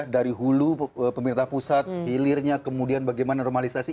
dari hulu pemerintah pusat hilirnya kemudian bagaimana normalisasi